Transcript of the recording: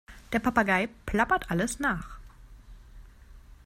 Der Papagei plappert alles nach.